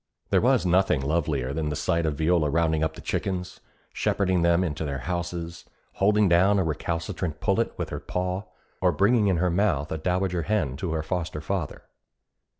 There was nothing lovelier than the sight of Viola rounding up the chickens, shepherding them into their houses, holding down a recalcitrant pullet with her paw, or bringing in her mouth a dowager hen to her foster father.